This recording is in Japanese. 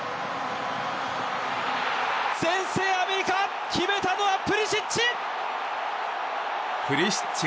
先制、アメリカ決めたのはプリシッチ！